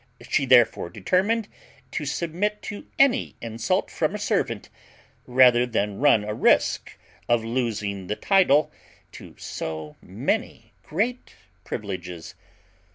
She therefore determined to submit to any insult from a servant, rather than run a risque of losing the title to so many great privileges.